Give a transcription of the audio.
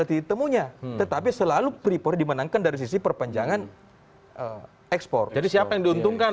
ditemunya tetapi selalu freeport dimenangkan dari sisi perpanjangan ekspor jadi siapa yang diuntungkan